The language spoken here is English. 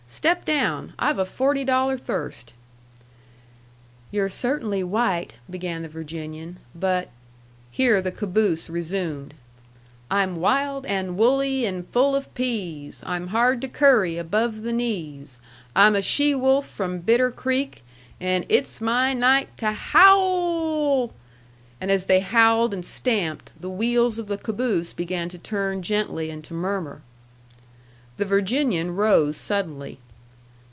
Step down. I've a forty dollar thirst." "You're certainly white," began the Virginian. "But " Here the caboose resumed: "I'm wild, and woolly, and full of peas; I'm hard to curry above the knees; I'm a she wolf from Bitter Creek, and It's my night to ho o wl " And as they howled and stamped, the wheels of the caboose began to turn gently and to murmur. The Virginian rose suddenly.